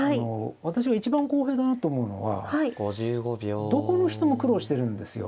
私が一番公平だなと思うのはどこの人も苦労してるんですよ。